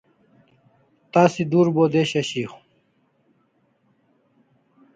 Tasi dur bo desha shiaw